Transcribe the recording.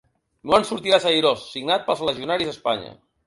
No en sortiràs airós, signat pels legionaris d’Espanya.